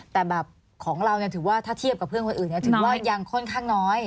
แต่แบบของเราถือว่าถ้าเทียบกับเพื่อนคนอื่นถือว่ายังค่อนข้างน้อย